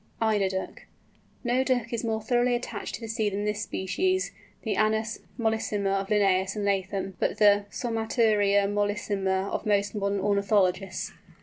EIDER DUCK. No Duck is more thoroughly attached to the sea than this species, the Anas mollissima of Linnæus and Latham, but the Somateria mollissima of most modern ornithologists.